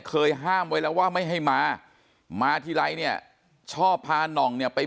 เคยห้ามไว้แล้วว่าไม่ให้มามาทีไรเนี่ยชอบพาน่องเนี่ยไป